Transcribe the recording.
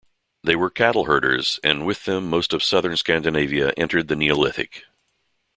They were cattle herders and with them most of southern Scandinavia entered the Neolithic.